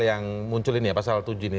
yang muncul ini ya pasal tujuh ini